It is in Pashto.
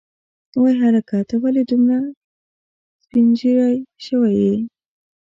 وای هلکه ته ولې دومره سپینږیری شوی یې.